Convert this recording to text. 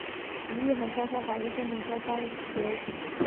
极易和硝酸反应生成硝酸铀酰。